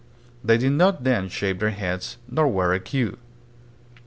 They did not then shave their heads nor wear a queue.